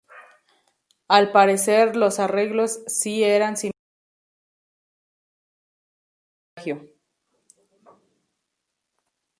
Al parecer, los arreglos sí eran similares, pero no existe esa categoría de plagio.